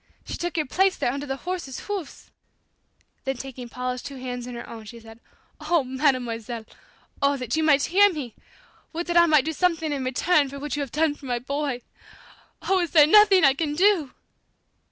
She took your place there under the horses' hoofs!" Then taking Paula's two hands in her own she said, "Oh, Mademoiselle, oh, that you might hear me! Would that I might do something in return for what you have done for my boy! Oh, is there nothing I can do?"